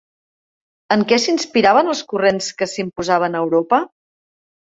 En què s'inspiraven els corrents que s'imposaven a Europa?